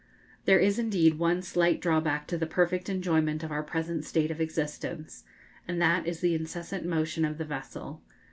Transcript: There is indeed one slight drawback to the perfect enjoyment of our present state of existence, and that is the incessant motion of the vessel.